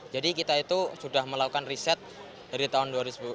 jadi kita itu sudah melakukan riset dari tahun dua ribu sepuluh